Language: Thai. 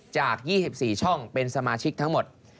จาก๒๔ช่องเป็นสมาชิกทั้งหมด